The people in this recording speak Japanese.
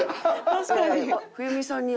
確かに。